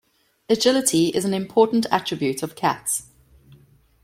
Agility is an important attribute of cats.